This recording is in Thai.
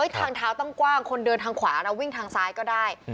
ทางเท้าต้องกว้างคนเดินทางขวานะวิ่งทางซ้ายก็ได้